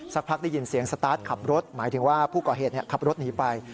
สักพักได้ยินเสียงสตาร์ทขับรถหมายถึงว่าผู้ก่อเหตุขับรถหนีไป